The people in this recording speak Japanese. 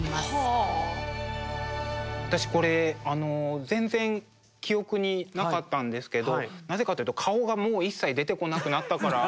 私これ全然記憶になかったんですけどなぜかというと顔がもう一切出てこなくなったからなんですよね。